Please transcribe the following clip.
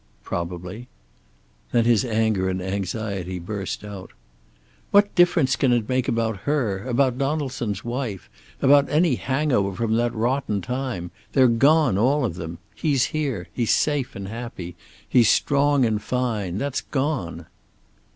"Probably." Then his anger and anxiety burst out. "What difference can it make about her? About Donaldson's wife? About any hang over from that rotten time? They're gone, all of them. He's here. He's safe and happy. He's strong and fine. That's gone."